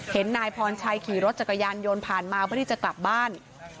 นายพรชัยขี่รถจักรยานยนต์ผ่านมาเพื่อที่จะกลับบ้าน